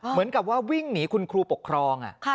เหมือนกับว่าวิ่งหนีคุณครูปกครอง